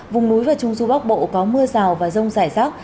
vùng núi và trung du bắc bộ có mưa rào và rông rải rác